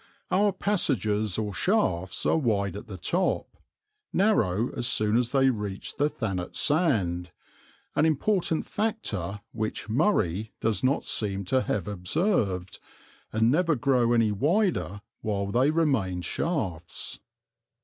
(Our passages, or shafts, are wide at the top, narrow as soon as they reach the Thanet sand, an important factor which "Murray" does not seem to have observed, and never grow any wider while they remain shafts.)